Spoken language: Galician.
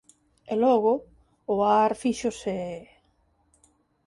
E logo o ar fíxose...